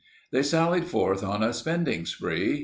They sallied forth on a spending spree.